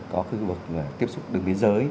có khu vực tiếp xúc đường biên giới